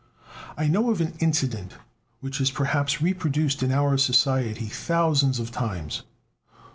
I know of an incident which is perhaps reproduced in our society thousands of times.